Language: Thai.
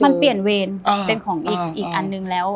มันเปลี่ยนเวรเป็นของอีกอันนึงแล้ว